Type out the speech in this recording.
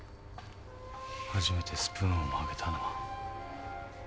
初めてスプーンを曲げたのは。